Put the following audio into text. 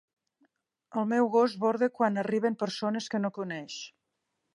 El meu gos borda quan arriben persones que no coneix.